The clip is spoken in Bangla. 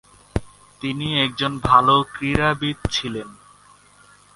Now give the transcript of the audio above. তিনি একজন ভালো ক্রীড়াবিদ ছিলেন।